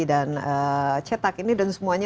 dan cetak ini dan semuanya